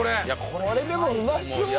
これでもうまそうだよ。